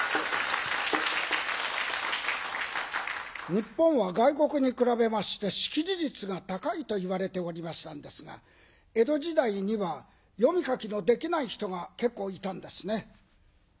日本は外国に比べまして識字率が高いといわれておりましたんですが江戸時代には読み書きのできない人が結構いたんですね。